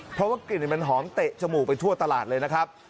เพราะว่ากลิ่นมันหอมเตะจมูกไปทั่วตลาดเลยนะครับ